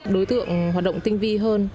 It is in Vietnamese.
đối tượng hoạt động tinh vi hơn